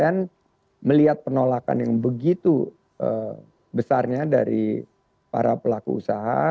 ketika di daerah empat puluh tujuh puluh lima melihat penolakan yang begitu besarnya dari para pelaku usaha